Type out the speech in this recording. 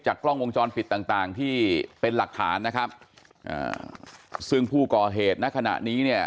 กล้องวงจรปิดต่างต่างที่เป็นหลักฐานนะครับอ่าซึ่งผู้ก่อเหตุณขณะนี้เนี่ย